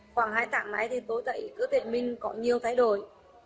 khoảng hai tạng nay tôi thấy tên mình có nhiều thay đổi